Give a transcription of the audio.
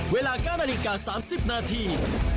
เวลา๙นาฬิกา๓๐นาที